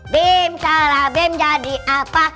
bim salah bim jadi apa